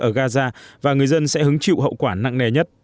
ở gaza và người dân sẽ hứng chịu hậu quả nặng nề nhất